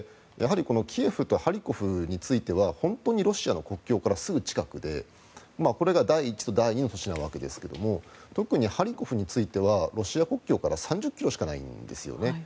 やはりキエフとハリコフについては本当にロシアの国境からすぐ近くでこれが第１と第２の都市なわけですが特にハリコフについてはロシア国境から３０ｋｍしかないんですよね。